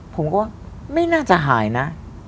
ผมก็ไม่น่าจะหายนะ